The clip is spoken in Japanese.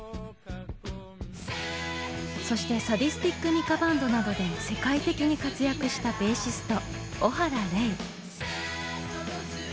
そしてサディスティック・ミカ・バンドなどで世界的に活躍したベーシスト小原礼。